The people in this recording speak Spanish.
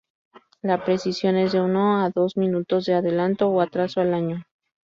La precisión es de uno a dos minutos de adelanto o atraso al año.